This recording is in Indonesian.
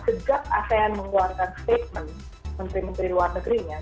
sejak asean mengeluarkan statement menteri menteri luar negerinya